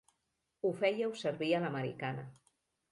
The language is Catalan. Ho fèieu servir a l'americana.